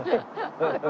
ハハハハ！